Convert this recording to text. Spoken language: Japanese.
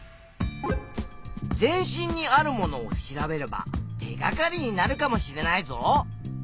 全身にあるものを調べれば手がかりになるかもしれないぞ！